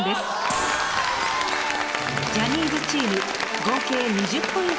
ジャニーズチーム合計２０ポイント